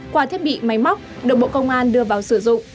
qua thiết bị máy móc được bộ công an đưa vào sử dụng